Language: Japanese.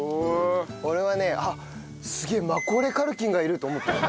俺はね「あっすげえマコーレー・カルキンがいる」と思ったの。